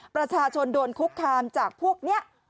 ประชาชนโดนคุกคามจากพวกนี้